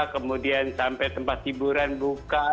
kemudian sampai tempat hiburan buka